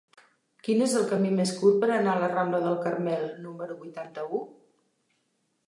Quin és el camí més curt per anar a la rambla del Carmel número vuitanta-u?